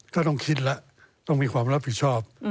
ก็ต้องคิดแล้วต้องมีความรับผิดชอบ